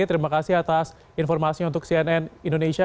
terima kasih atas informasinya untuk cnn indonesia